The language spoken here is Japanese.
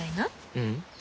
ううん。